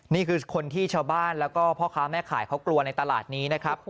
นี่คือคนที่ชาวบ้านแล้วก็พ่อค้าแม่ขายเขากลัวในตลาดนี้นะครับ